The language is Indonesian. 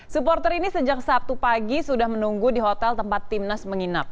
supporter ini sejak sabtu pagi sudah menunggu di hotel tempat timnas menginap